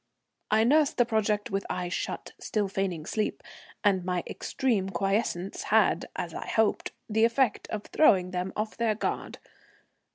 I nursed my project with eyes shut, still feigning sleep; and my extreme quiescence had, as I hoped, the effect of throwing them off their guard.